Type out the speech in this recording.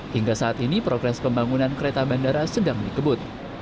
hingga saat ini progres pembangunan kereta bandara sedang dikebut